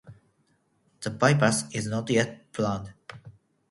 The bypass is not yet planned.